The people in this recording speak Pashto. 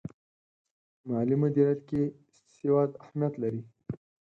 مالي مدیریت کې سواد اهمیت لري.